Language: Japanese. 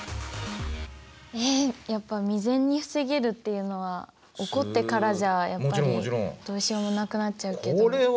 えやっぱ未然に防げるっていうのは起こってからじゃやっぱりどうしようもなくなっちゃうけど。